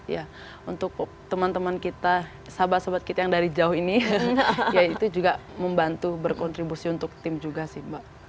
ya untuk teman teman kita sahabat sahabat kita yang dari jauh ini ya itu juga membantu berkontribusi untuk tim juga sih mbak